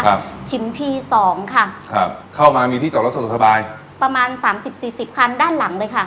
ครับชิมพีสองค่ะครับเข้ามามีที่จอดรถสะดวกสบายประมาณสามสิบสี่สิบคันด้านหลังเลยค่ะ